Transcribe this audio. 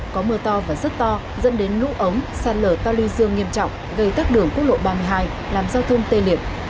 có mưa to và rất to dẫn đến lũ ống sạt lở to lưu dương nghiêm trọng gây tắc đường quốc lộ ba mươi hai làm giao thông tê liệt